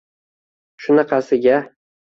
Shunaqasiga!